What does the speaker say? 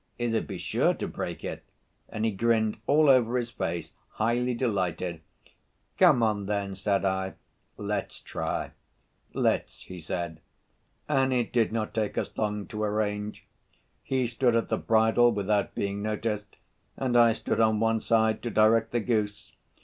'It'd be sure to break it,' and he grinned all over his face, highly delighted. 'Come on, then,' said I, 'let's try.' 'Let's,' he said. And it did not take us long to arrange: he stood at the bridle without being noticed, and I stood on one side to direct the goose.